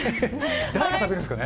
誰が食べるんですかね。